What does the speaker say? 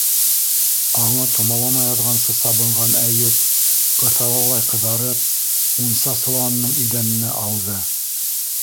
Аңы томалана яҙғансы сабынған Әйүп, ҡыҫалалай ҡыҙарып, мунса соланының иҙәненә ауҙы...